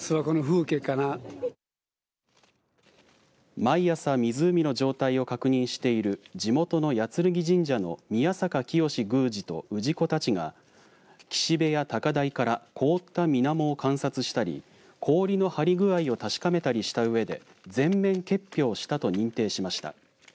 毎朝、湖の状態を確認している地元の八劔神社の宮坂清宮司と氏子たちが岸辺や高台から凍った水面を観察したり氷の張り合い具合を確かめたりしたうえで全面結氷したと認定しました。